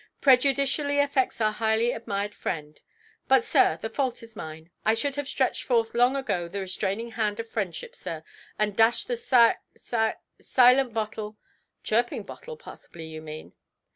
"Prejudicially affects our highly admired friend. But, sir, the fault is mine. I should have stretched forth long ago the restraining hand of friendship, sir, and dashed the si—si—silent bottle——" "Chirping bottle, possibly you mean".